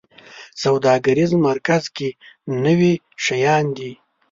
سوداګریز مرکز کې نوي شیان دي